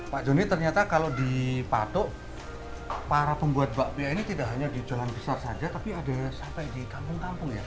pak joni ternyata kalau di patok para pembuat bakpia ini tidak hanya di jalan besar saja tapi ada sampai di kampung kampung ya